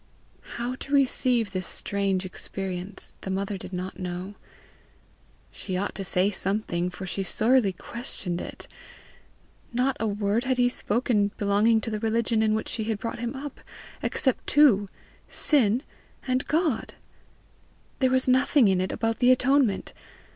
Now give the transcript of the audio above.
How to receive the strange experience the mother did not know. She ought to say something, for she sorely questioned it! Not a word had he spoken belonging to the religion in which she had brought him up, except two SIN and GOD! There was nothing in it about the atonement!